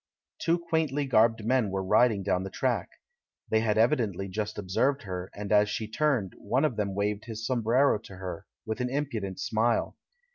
Two quaintly garbed men were riding down the track. They had evidently just observed her, and as she turned, one of them waved his sombrero to her, with an impudent smile.